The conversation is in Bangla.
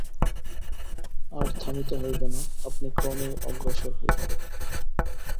আর থামিতে হইবে না, আপনি ক্রমেই অগ্রসর হইবেন।